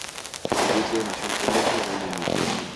Whittle nació en Coventry, Reino Unido.